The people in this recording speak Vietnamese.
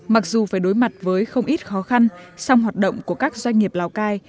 mặc dù phải đối mặt với không ít khó khăn song hoạt động của các doanh nghiệp lào cai